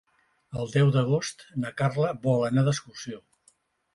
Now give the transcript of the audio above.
El deu d'agost na Carla vol anar d'excursió.